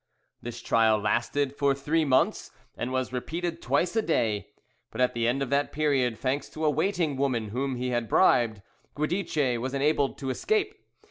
"This trial lasted for three months, and was repeated twice a day. But at the end of that period, thanks to a waiting woman whom he had bribed, Guidice was enabled to escape.